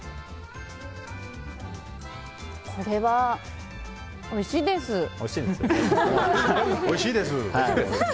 これはおいしいです！